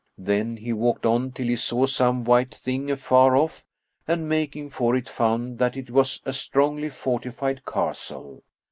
Then he walked on till he saw some white thing afar off, and making for it, found that it was a strongly fortified castle.